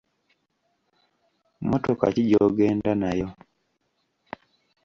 Mmotoka ki gy'ogenda nayo?